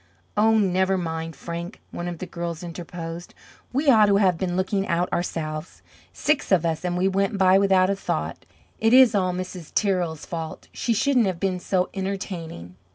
"Oh, never mind, Frank!" one of the girls interposed. "We ought to have been looking out ourselves! Six of us, and we went by without a thought! It is all Mrs. Tirrell's fault! She shouldn't have been so entertaining!"